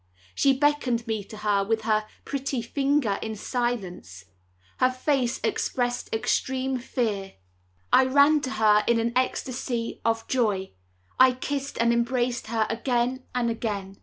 She beckoned me to her with her pretty finger, in silence. Her face expressed extreme fear. I ran to her in an ecstasy of joy; I kissed and embraced her again and again.